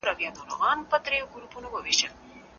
که د ودانیو رنګونه همغږي وي، نو ښار نه بدرنګه کیږي.